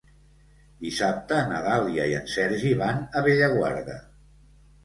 Dissabte na Dàlia i en Sergi van a Bellaguarda.